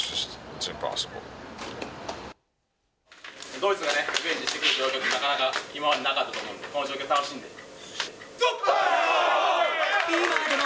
ドイツがリベンジしてくるというのは、なかなか今までなかったと思うんで、この状況を楽しん行くぞ！